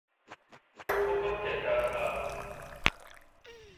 حکم چلتا تھا۔